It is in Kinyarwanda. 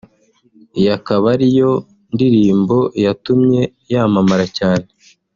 iyi akaba ari yo ndirimbo yatumye yamamara cyane